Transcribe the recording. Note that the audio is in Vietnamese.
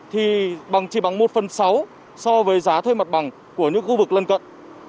thì bằng chỉ bằng một phần sáu so với giá thuê mặt bằng của những khu vực lân cận